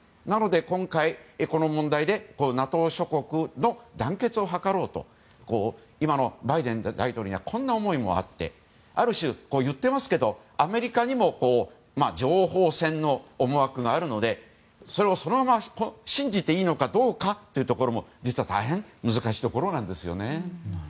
なので今回、この問題でＮＡＴＯ諸国の団結を図ろうと今のバイデン大統領にはこんな思いもあってある種、言っていますがアメリカにも情報戦の思惑があるのでそれをそのまま信じていいのかどうかというところも実は大変難しいところなんですよね。